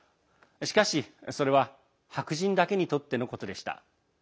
しかし、それは白人だけにとってのことでした。